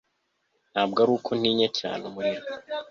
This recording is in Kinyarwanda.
Ntabwo ari uko ntinya cyane umuriro